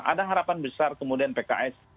ada harapan besar kemudian pks